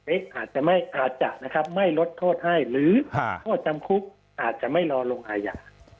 เอ๊ะอาจจะไม่อาจจะนะครับไม่ลดโทษให้หรือโทษทั้งคุกอาจจะไม่รอลงอายา